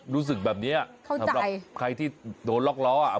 รู้สึกแบบนี้สำหรับใครที่โดนล็อกล้ออ่ะ